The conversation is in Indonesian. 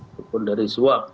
ataupun dari swap